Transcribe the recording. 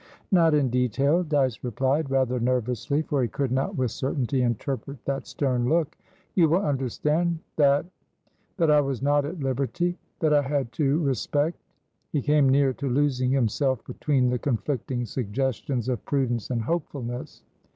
"Not in detail," Dyce replied, rather nervously, for he could not with certainty interpret that stern look. "You will understand thatthat I was not at libertythat I had to respect" He came near to losing himself between the conflicting suggestions of prudence and hopefulness.